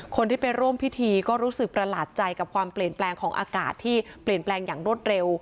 คนที่ไปร่วมพิธีก็รู้สึกประหลาดใจกับความเปลี่ยนแปลงของอากาศที่เปลี่ยนแปลงอย่างรวดเร็ว